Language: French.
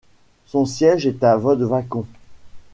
Son siège est à Void-Vacon.